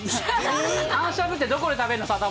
タンしゃぶって、どこで食べるの？